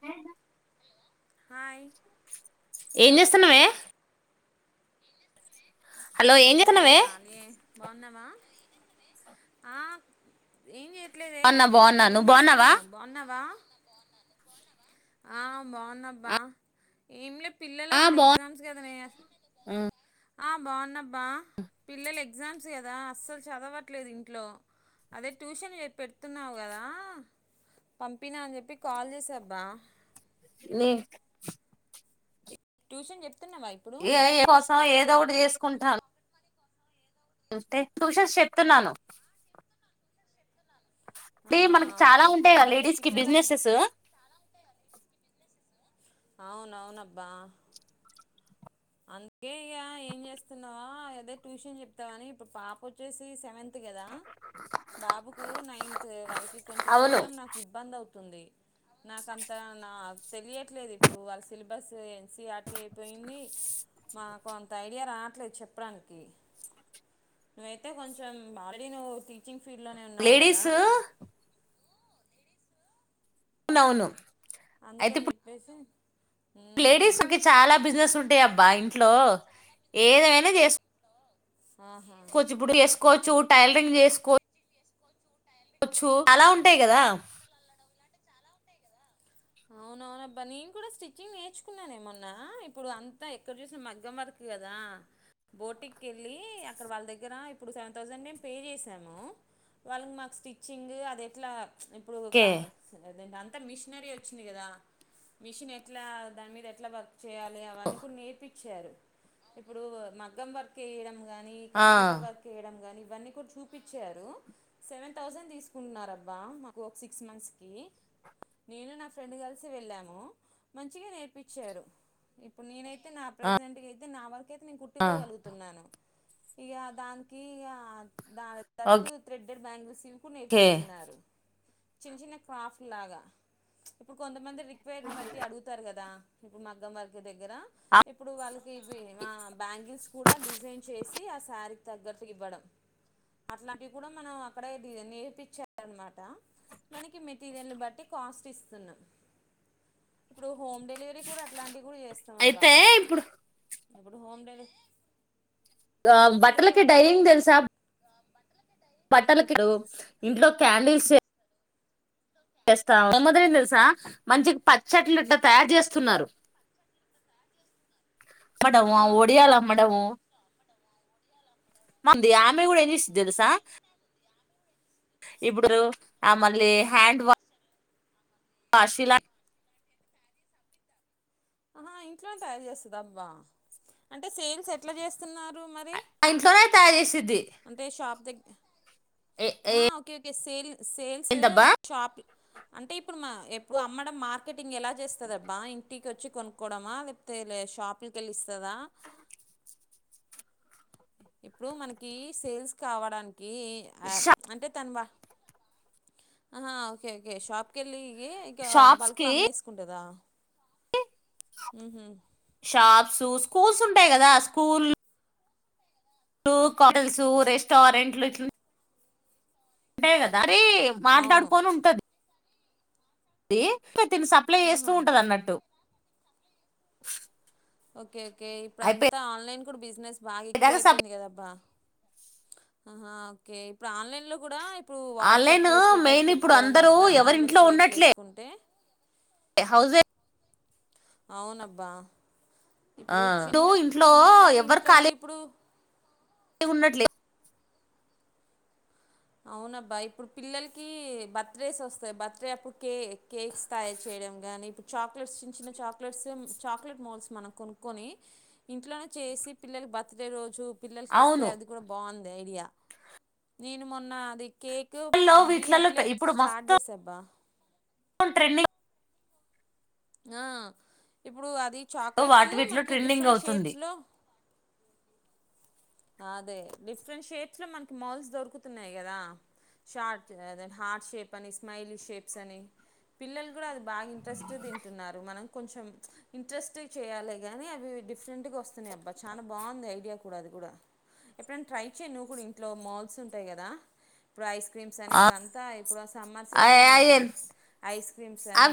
వేయన hi ఏం hello చేస్తున్నావే. Hello ఏం లేదే చేస్తున్నావే ఖాళీయే. బావున్నావా ఆహ్ ఏం చేస్. ఇట్లేదే బాగున్నా బాగున్నా నువ్వేం నువ్వు బాగున్నావా చేస్తున్నావు బావున్నావా. ఆహ్ బావున్నాబ్బా ఏమిలే. పిల్లలు ఆ అసలు బాగు ఎగ్జామ్స్ కద నే ఆ బాగున్నం బ్బా పిల్లల ఎగ్జామ్స్ కదా అస్సలు చదవట్లేదు ఇంట్లో అదే ట్యూషన్ చె పెడ్తున్నావు కదా పంపినా అని చెప్పి కాల్ చేసబ్బా లే ట్యూషన్ జెపు. ఏయ కోసం ఏదోక్కటి చేసుకుంటాను. చూస్తే ట్యూషన్స్ చెప్తున్నాను. అంటే ఆహా మనకి చాలా ఓకే ఓకే ఉంటాయా కదా అదే లేడీస్ కి పిల్లలు అసలు బిజినెసెస్. అవునవునబ్బా. అందుకే ఇగ ఏం చేస్తున్నావా అదే ట్యూషన్ చెప్తావని ఇప్పుడు పాపోచ్చేసి సెవెంత్. కదా బాబుకు నైన్త్ వాళ్ళకి కొంచెం అవును చెప్పడం నాకిబ్బంది అవుతుం. తుంది. నాకంత నా తెలియట్లేదు ఇప్పుడు వాళ్ళ సిల్బస్ ఎన్సిఆర్టీ అయిపోయింది. మాకు అంత ఐడియా రావట్లేదు చెప్పడానికి. నువ్వైతే కొంచెం అల్రెడీ నువ్వు టీచింగ్. ఫీల్డ్లోనే ఉన్నావు కదా లేడీస్. ఔనవును. అందుకని జెప్పేసి. లేడీస్కు చాలా బిజినెస్ ఉంటాయబ్బా ఇంట్లో ఏదైనా చేసు. ఆహా కోవచ్చు ఇప్పుడు చేస్కోవచ్చు టైల్రింగ్ చేస్కోచ్చు. చ్చు చాలా ఉంటాయ్ కదా. అవునవునబ్బా నేను కూడా స్టిచ్చింగ్ నేర్చుకున్నానేమొన్నా ఇప్పుడు అంతా ఎక్కడ చూసిన మగ్గం వర్కు కదా. బోటికేళ్ళి అక్కడ వాళ్ళ దగ్గర ఇప్పుడు సెవెన్ థౌసండ్ మేము పే చేసాము. వాళ్ళ మాకు స్టిచ్చింగ్ అదేట్లా ప్చ్ ఇప్పుడు ఓకే అంత మిషినరీ వచ్. కదా మిషనేట్లా దాని మీదేట్లా వర్క్ చేయాలి అవన్నీ కూడా నేరుపిచ్. ఇచ్చారు ఇప్పుడు మగ్గం వర్కేయడం కానీ ఆ కంప్యూటర్ వర్కేయడం కానీ. ఇవన్నీ కూడా చూపించారు సెవెన్ థౌసండ్ తీస్కుంటున్నారబ్బా మాకు ఒక సిక్స్ మంత్స్కి. నేను నా ఫ్రెండ్ కల్సేళ్ళాము మంచిగా నేర్పంచారు. ఇప్పుడు నేనైతే నా ఆ ప్రెసెంట్కైతే నా వరకు. అయితే నేను ఆ, కుట్టుకోగల్గుతున్నాను ఇగ దానికి ఇగా. దాని తట్టు థ్రెడ్డేడ్ బ్యాంగిల్సివి కూడా ఓకే నేర్పిస్తున్నారు. చిన్న చిన్న క్రాఫ్ట్ లాగా ప్చ్ ఇప్పుడ్కొంతమంది రిక్వైర్ బట్టి అడ్గుతారు కదా. ఇప్పుడు మగ్గం వార్క్ దగ్గర ఇప్పుడు వాళ్ళకి ఇవి మా బ్యాంగిల్స్. కూడా డిజైన్ చేసి ఆ సారీకి తగ్గట్టువ్వడం. అట్లాంటివి కూడా మనం అక్కడే నేర్పించారన్నమాట. మనకి మెటీరియల్ బట్టి కాస్టిస్తున్నాం. ఇప్పుడు హోమ్ డెలివరీ కూడా అట్లాంటివి కూడా చేస్తామబ్బా. అయితే ఇప్పుడు ఇప్పుడు హోమ్ డెలి. ఆహ్ బట్టలకి డైనింగ్ తెల్సా. బట్టలకు ఇప్పుడు ఇంట్లో క్యాండిల్సే. చేస్తా [unintelligible] తెల్సా మంచిగా పచ్చట్లు ఇట్లా తయారు చేస్తున్నారు. మనమా ఆహా ఓకే ఒడియాలమ్మడమో. మనది ఆమే కూడా ఏం జేస్తద్ది తెల్సా. ఇప్పుడు ఆ మళ్ళీ హ్యాండ్ వా అసిలా ఆహా ఇంట్లోనే తయారు చేస్తదబ్బా అంటే సేల్సేట్లా చేస్తున్నారు మరి ఆ ఇంట్లోనే తయారుచేసిద్ది ఆ ఓకే ఓకే సేల్ సేల్స్ ఏందబ్బా షాపి అంటే ఇప్పుడు మా ఎప్పుడు అమ్మడం మార్కెటింగ్ ఎలా చేస్తదబ్బా ఇంటి. కొచ్చి కొనుక్కోవడమా లేప్తేలే షాపుకేళ్ళిస్తదా. ఇప్పుడు మనకీ సేల్స్ కావడానికి ఆహ్ షా అంటే తను బ. ఆహా ఓకే ఓకే షాప్కెళ్ళి. ఏ ఇంకా షాప్స్ బల్కులు కి అమ్మేస్కుంటదా. షాప్సు స్కూల్స్ ఉంటయి కదా స్కూల్ టూ కాలెల్సు రెస్టారెంట్లు ఇట్ల్ ఉంటయ్ గద మరి అవును మాట్లాడ్కొని ఉంటది దీ ఇగ తిను సప్లై చేస్తూ ఆహా ఉంటదన్నట్టు ఒకే ఒకే ఇప్పుడంతా ఆన్లైన్ కూడ బిజినెస్ బాగ దాకా ఎక్కువైపోయింది కద అబ్బా ఆహా ఒక్కే ఇప్పుడ్ ఆన్లైన్ లో కుడా ఇప్డు ఆన్లైన్ వాట్సాప్లో స్టేటస్ మెయిన్ ఇప్పుడు పెట్టుకోడం అందరూ ఇన్స్టగ్రామ్లో షేర్ చేస్కుంటే ఎ హౌజే ఔనబ్బా ఇప్పుడు చిన్న ఇంట్లో చిన్నదైన ఇంట్లో ఉండి ఇప్పుడు ఇ ఉన్నట్లే ఔనబ్బా ఇప్పుడ్ పిల్లల్కి బర్త్డేస్ ఒస్తయ్ బర్త్డే అప్పుడు కే కేక్స్ తయార్ చె డం గాని ఇప్పుడ్ చాక్లెట్స్ చిన్న చిన్న చాక్లెట్స్ చాక్లెట్ మోల్స్ మనం కొనుక్కొని ఇంట్లనే ఏసి పిల్లల బర్త్డే రోజు పిల్లల్క్ ఇస్తే అవును అది కూడ బాగుంది ఐడియా నేను మొన్న అది కేక్ వీటిలో ది వీటిలలో అట్లే స్టార్ట్ చేసబ్బా అ ట్రెండిన్ ఆ ఇప్పుడు అది చాక్లెట్స్ వాటి వీటిలో మనకి ట్రెండింగ్ డిఫ్రెంట్ అవుతుంది షేప్స్ లో ఆ అదే డిఫ్రెంట్ షేప్స్ లో మనకి మౌల్డ్స్ దొరుకుతున్నయ్ కదా షార్ట్ అదె హార్డ్ షేప్ అని స్మైలీ షేప్స్ అని పిల్లల్ గుడ అది బాగ ఇంట్రెస్టుగ దింటున్నారు మనం కొంచెం ఇంట్రెస్ట్గ చెయ్యాలేగాని అవి డిఫ్రెంటుగ ఒస్తున్నై అబ్బ చాన బాగుంది ఐడియా కుడా అది గుడ ఎప్పుడైన్ ట్రై చేయ్ నువ్వ్ కూడ ఇంట్లో మౌల్స్ ఉంటయ్ గద ఇప్డు ఐస్ క్రీమ్స్ అని ఆ ఇప్డు అంతా ఇప్డు సమ్మర్ సీజన్ కదనే ఐస్ క్రీమ్స్ అని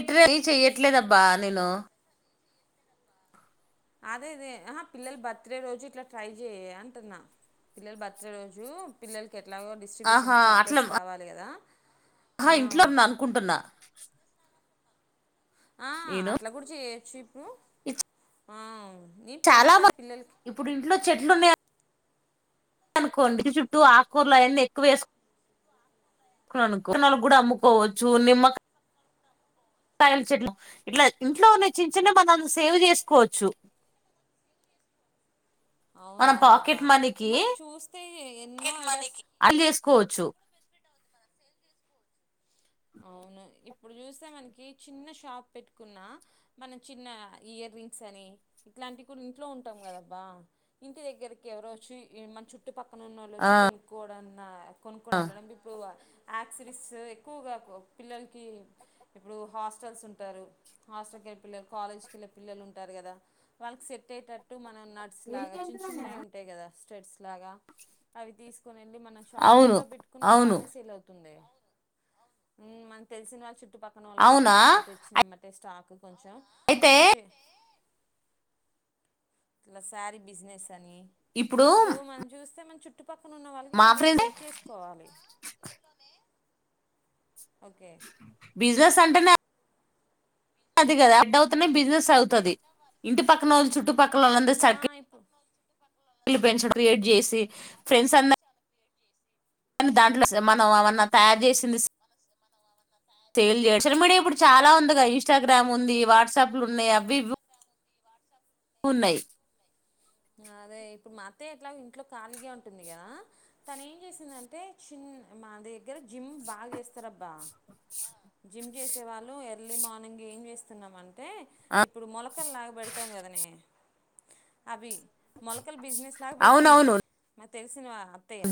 ఇట్రల్లీ చెయట్లేదబ్బా నేను అదదే అహ పిల్లల్ బర్త్డే రోజు ఇట్లా ట్రై చెయే అంటున్నా పిల్లల్ బర్త్డే రోజు పిల్లల్ కేట్లాగో ఆహా డిస్ట్రిబ్యూషన్కి అట్లా చాక్లెట్స్ కావాలె గద ఆ న్న ఆ అట్ల గుడ చేయొచ్చు ఇపుడు ఆ నేను చాలా బా పోయినసారి పిల్లలకి ఇపుడింట్లో చెట్లు ఉన్నయ్ అనుకోండి ఇంటి చుట్టూ ఆక్కూరల్ అయన్నీ ఎక్కువేస్ అమ్ముకోవచ్చు నిమ్మక్ కాయల్ చెట్లు ఇట్ల ఇంట్లో ఉన్న చిన్న చిన్న మనం సేవ్ చేస్కోచ్చు మనం ఔనౌన్ అబ్బ పాకెట్ మనీకి ఏమన్న చూస్తే ఎన్నో ఐడియాస్ అల్ చేస్కోచ్చు ఉను ఇప్పుడు చూస్తే మనకి చిన్న షాప్ పెట్టుకున్నా మన చిన్న ఇయర్ రింగ్స్ అని ఇ ఇట్లాంటి కుడ ఇంట్లో ఉంటం కదబ్బా ఇంటి దెగ్గరికి ఎవరోచ్చి ఇ మన్ చుట్టుపక్ క్కనున్నోళ్ ఆ ఒచ్చి కొనుక్కోవుడన్న కొనుక్కోడం ఎట్లనో ఇప్పుడు ఆక్సిడిస్స్ ఎక్కువ్గా ఒ పిల్లల్కీ ఇప్పుడు హాస్టల్స్ ఉంటారు హాస్టల్కెళ్ళే పిల్లల్ కాలేజ్కెళ్ళే పిల్లలు ఉంటారు కదా వాళ్లకి సెటైటట్టు మనన్ నట్స్ లగ చిన్ చిన్నయ్ ఉంటయ్ కదా స్టేట్స్ లాగ అవ్వి తీస్ కొనెళ్ళి మన షా అవును ఇంట్లో బెట్కున్నా అవును బానే సేల్ అవ్వుతుంది హ్మ్ మనం తెలిసిన వాళ్ళు చుట్పక్కన వాళ్ళకి అవునా చెప్పామనుకో తెచ్చినెమ్మటే స్టాక్ కొంచెం అయితే మంచి ఇలా సారీ బిజినెస్ అని ఇప్పుడు మనం చూస్తే మన చుట్ చుట్టు పక్కన ఉన్న వాళ్ళకి మా కొంచెం ఫ్రెండ్ స్ప్రెడ్ చేసుకోవాలి ఓకే బిజినెస్ అంటేనే అది కదా అడ్ అవుతునే బిజినెస్ అవుతుది ఇంటి పక్కనోలు చుట్టు పక్కల ఒళ్ళందరు ఆ ఇప్పుడు సర్కిల్ పెంచ క్రియేట్ చేసి ఫ్రెండ్స్ అందర్ దాంట్లో స్ మనం అవన్న తయారు చేసి సేల్ చేసి సోషల్ మీడియా ఇప్పుడు చాలా ఉందిగా ఇన్స్టాగ్రామ్ ఉంది వాట్సాప్లు ఉన్నాయి అవి ఇవి ఉన్నాయి అదే ఇప్పుడు మత్ అతే ఇట్లా ఇంట్లో ఖాళీగానే ఉంటుంది కదా తన ఏం చేసిందంటే చిన్ మా దగ్గర జిమ్ బాగా చేస్తారబ్బా జిమ్ చేసే వాళ్ళు ఎర్లీ మార్నింగ్ ఏం చేస్తునమంటే ఆ ఇప్పుడు మొలకలూలాగ పెడతా తాగదనే అవి మొలకలు బిజినెస్ లాగా పెట్టింది అవునవును మా తెలిసినవ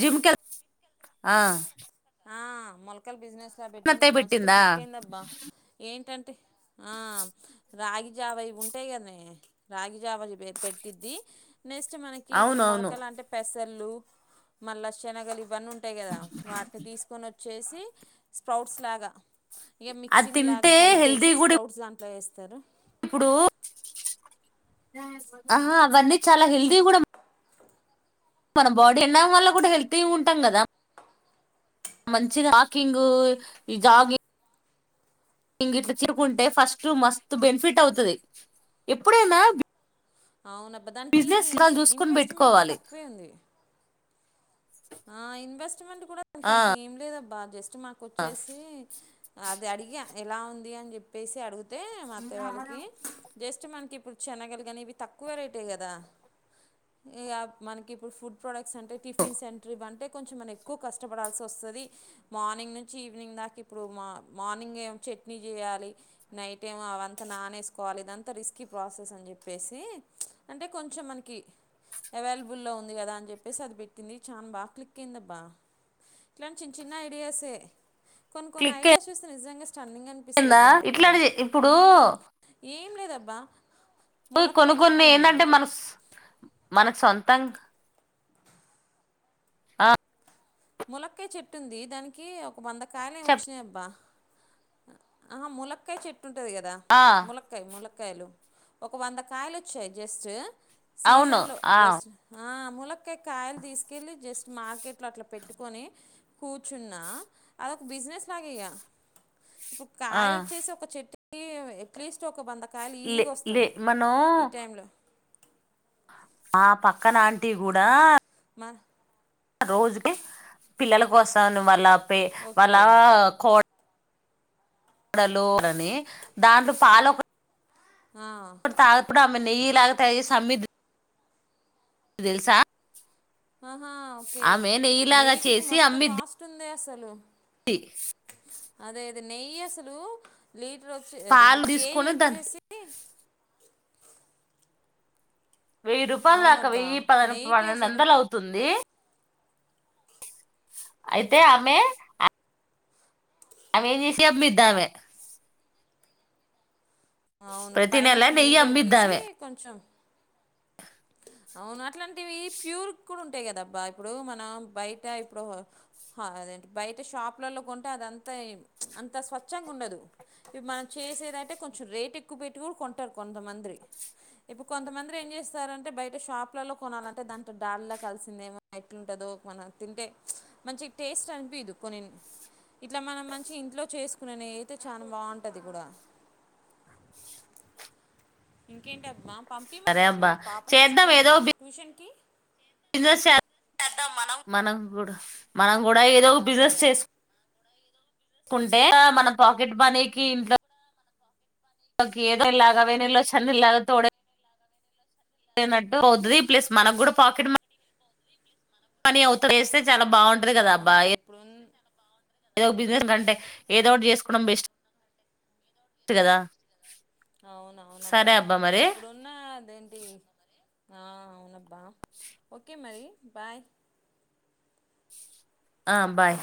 జిమ్ కెల్ ఆ ఆ మొలకలు బిజినెస్ అ పెట్టింది అత్తయ్య అది మస్తుత్ పెట్టిందా క్లిక్ అయిందబ్బా ఏంటంటే ఆ రాగి జావ ఇవి ఉంటాయి కాదనే రాగి జావవి పెట్టిద్ది నెక్స్ట్ మనకి ఇప్పుడు అవునవును మొలకలు అంటే పెసర్లు మళ్ళా మొలకలు ఇవన్నీ ఉంటాయి కదా వాటిని తీసుకొని వచ్చేసి స్ప్రౌట్స్ లాగా ఇక అది మిక్సింగ్ లాగా తింటే హెల్తీ కలిపేసి కూడా స్ప్రౌట్స్ దాంట్లో వేస్తారు ఇప్పుడు ఆహ్ హ అవన్నీ చాలా హెల్త్య్ కూడా మన బాడీ తిండం వల్ల కూడా హెల్త్య్ ఉంటాం కదా మంచిగా వాకింగు ఈ జాగింగ్ ఇంగ ఇట్లా తీరుకుంటే ఫస్ట్ మస్తు బెనిఫిట్ అవుతది ఎప్పుడైనా అవునబ్బా దానికి బిజినెస్ ఇస్ వాళ్ళు చూసుకొని ఇన్వెస్ట్మెంట్ పెట్టుకోవాలి తక్కువే ఉంది ఆ ఇన్వెస్ట్మెంట్ కూడా ఇక ఆ అంత ఏం లేదబ్బా జస్ట్ మాకొచ్చేసి అది అడిగా ఎలా ఉంది అని చెప్పేసి అడిగితే మా అత్తయవలకి జస్ట్ మనకి ఇప్పుడు శనగలు కానీ ఇవి తక్కువరేట్ ఎహ్ కదా ఇ మనకి ఇప్పుడు ఫుడ్ ప్రోడక్ట్స్ అంటే టిఫిన్స్ సిన్ ట్రిప్ అంటే కొంచెం మనం ఎక్కువ కష్టపడాల్సి వస్తది మార్నింగ్ నుంచి ఈవినింగ్ దా ఇప్పుడు మార్ని గ్ చట్నీ చేయాలి నైట్ ఏమో అవంతా నానిసుకోవాలి ఇదంతా రిస్కీ ప్రాసెస్ అని చెప్పేసి సి హ్మచ్ అంటే కొంచెం మనకి అవలైబల్ ఉంది కదా అని అది పెట్టింది చాన బా క్లిక్ అయిందబ్బా ఇట్లాంటి చిన్న చిన్న ఐడియాసే కొన్ని కొన్ని క్లిక్ ఐడియాస్ చూస్తే నిజంగా స్టంన్నింగ్ అయిందా అనిపిస్తుందిబ్బా నాకు కూడా ఇట్లాంటి ఇప్పుడు మ్మ్ ఏం లేదబ్బా కొను ములక్కాయ కొన్ని చెట్టు ఉంది ఏంటంటే మనస్ మనకు సొంతం ఆ ముల్లకాయ చెట్టు ఉంది దానికి ఒక వంద కాయలు ఏమి చెప్ వచ్చినాయి అబ్బా ఆ ములక్కాయ చెట్టు ఉంటది కదా ఆ మూలకాయి మూలకాయి లు ఒక వంద కాయలు వచ్చాయి జస్టు అవును సీజన్ లొ ఆ జస్ట్ ఆ మూలకాయి కాయలు తీసుకెళ్లి జస్ట్ మార్కెట్ లో అట్లా పెట్టుకొని కూర్చున్నా అదొక బిజినెస్ లాగే ఇగ ఆ కాయ వచ్చేసి ఒక చెట్టుకి అట్లీస్ట్ ఒక వంద కాయలు లే ఈజీగా లే వస్తున్నాయి ఈ మనం టైంలో ఆ పక్కన ఆంటీ కూడా బ రోజుకి పిల్లల వస్తాను వాళ్ళ పే వాళ్ళ ఓకే కో డలురని దాంట్లో ఫాలో ఆ. అడు తాగప్పుడు అమె నేయిలాగా తయారు చేసి ఆమింది తెలుసా ఆహా ఓకే ఆమె నెయ్యిలాగా నెయ్యికి ఇప్పుడు చేసి మస్తు అమ్మిద్ది కాస్ట్ ఉందే అసలు అదే అది నెయ్యి అసలు లీటర్ వచ్చి అదేంటి పాలు కేజీ తీసుకొని దాన్ని వచ్చేసి వెయ్యి రూపాయలు దాకా అవునబ్బా వెయ్యి పద నెయ్యికి పన్నెండు అసలు వందలు అవుతుంది. అయితే ఆమె అ ఏదిసి అ మీద్దమె అవును నెల పైనుంచి నెయ్యి మీగడ తీసి అమ్మిద్దామె కొంచెం అవును అట్లాంటివి ప్యూర్ కూడ ఉంటాయి కదా అబ్బా ఇప్పుడు మనం బయట ఇప్పుడు హా బయట షాపులలో కొంటే అదంతా అంత స్వచ్ఛంగా ఉండదు. ఇవి మనం చేసేదంటే కొంచెం రేట్ ఎక్కువ పెట్టి కూడా కొంటారు కొంతమందిరి ఇప్పు కొంతమందిరి ఏం చేస్తారన్ బయట షాప్లలో కొనాలంటే దాట్ డల్ కలిసిందే ఎట్లుంటదో మనం తింటే మంచి టేస్ట్ అనిపిదు కొన్ని ఇట్లా మనం మంచిగ ఇంట్లో చేసుకునే నెయ్యి అయితే చాలా బాగుంటది కూడా. ఇంకేంటిమా సరే పంపియమంటామా అబ్బా మరి పాపని స్కూ చేద్దాం ఏదో ట్యూషన్ కి బిజినెస్ చేస్ మనం కూడా మనం గూడా ఏదో ఒక అదే బిజినెస్ చేసు కుంటే మన పాకెట్ మనీకి ఇంట్లో కి ఏదో ఇలాగావేనిలో చన్నీలాద తోడు ట్టు అవుతది ప్లస్ మనకు కూడా పాకెట్ పని అవుత వేస్తే చాలా బాగుంటది కదా అవునబ్బా అబ్బాయి ఇప్పుడున్ బిజినెస్ కంటే ఏదోటి చేసుకోవడం బెస్ట్ కదా అవున అవునబ్బా సరే అబ్బా మరి ఇప్పుడున్న అదేంటి ఆ అవునబ్బా ఓకే మరి బాయ్ ఆ బాయ్